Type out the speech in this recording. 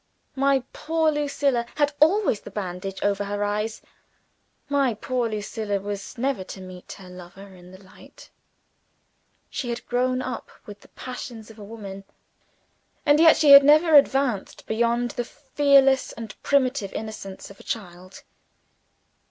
My poor Lucilla had always the bandage over her eyes. My poor Lucilla was never to meet her lover in the light. She had grown up with the passions of a woman and yet, she had never advanced beyond the fearless and primitive innocence of a child.